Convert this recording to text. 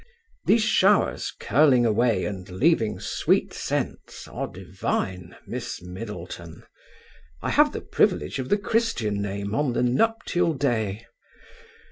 These showers curling away and leaving sweet scents are divine, Miss Middleton. I have the privilege of the Christian name on the nuptial day.